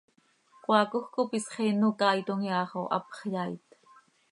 Cmaacoj cop isxeen oo caaitom iha xo hapx yaait.